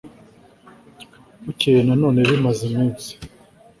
bukeye na none bimaze iminsi